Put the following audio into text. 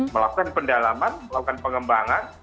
melakukan pendalaman melakukan pengembangan